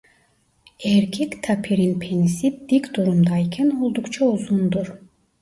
Erkek tapirin penisi dik durumdayken oldukça uzundur.